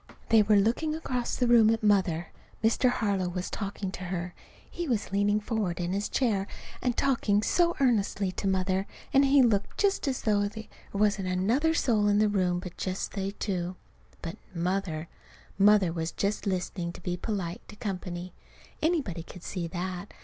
They were looking across the room at Mother. Mr. Harlow was talking to her. He was leaning forward in his chair and talking so earnestly to Mother; and he looked just as if he thought there wasn't another soul in the room but just they two. But Mother Mother was just listening to be polite to company. Anybody could see that.